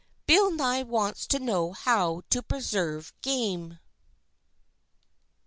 BILL NYE WANTS TO KNOW HOW TO PRESERVE GAME.